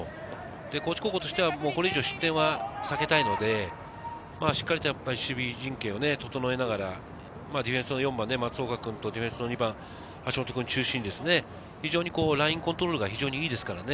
高知高校としては、これ以上失点は避けたいので、しっかりと守備陣形を整えながら、ディフェンスの４番・松岡君と２番・橋本君を中心にラインコントロールがいいですからね。